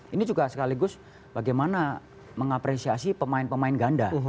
ini juga sekaligus bagaimana mengapresiasi pemain pemain ganda